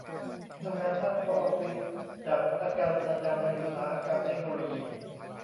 คนทำงานนั่งโต๊ะออฟฟิศ จากพนักงานประจำในอุตสาหกรรมเทคโนโลยี